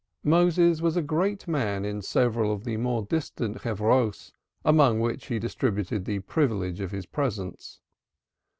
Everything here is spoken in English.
Moses was a great man in several of the more distant Chevras, among which he distributed the privilege of his presence.